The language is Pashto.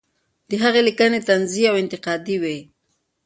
د هغې لیکنې طنزي او انتقادي وې.